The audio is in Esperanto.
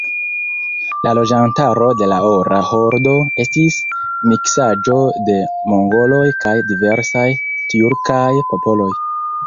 La loĝantaro de la Ora Hordo estis miksaĵo de mongoloj kaj diversaj tjurkaj popoloj.